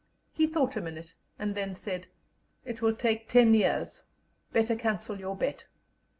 He thought a minute, and then said: "It will take ten years; better cancel your bet."